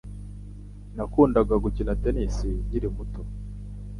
Nakundaga gukina tennis nkiri umunyeshuri muto.